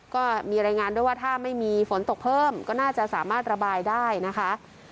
ก็มีรายงานด้วยว่าถ้าไม่มีฝนตกเพิ่มก็น่าจะสามารถระบายได้นะคะ